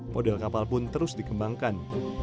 model kapal pun terus dikembangkan